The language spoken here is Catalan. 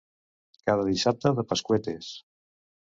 Cada dissabte de pasqüetes.